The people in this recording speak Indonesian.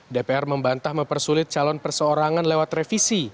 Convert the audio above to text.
dpr membantah mempersulit calon perseorangan lewat revisi